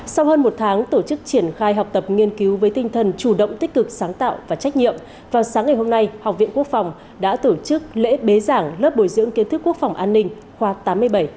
sau hơn một tháng tổ chức triển khai học tập nghiên cứu với tinh thần chủ động tích cực sáng tạo và trách nhiệm vào sáng ngày hôm nay học viện quốc phòng đã tổ chức lễ bế giảng lớp bồi dưỡng kiến thức quốc phòng an ninh khoa tám mươi bảy